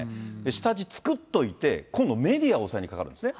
下地作っておいて、今度はメディアを抑えにかかるんですね。